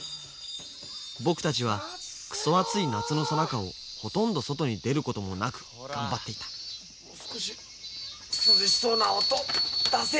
僕たちはくそ暑い夏のさなかをほとんど外に出ることもなく頑張っていたもう少し涼しそうな音出せ！